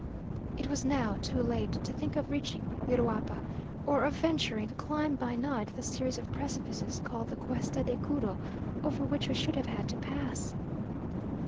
It was now too late to think of reaching Uruapa, or of venturing to climb by night the series of precipices called the Cuesta de Curu, over which we should have had to pass.